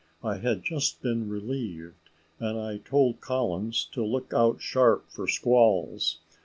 I had just been relieved, and I told Collins to look out sharp for squalls.